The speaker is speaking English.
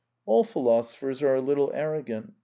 All philosophers are a little arrogant.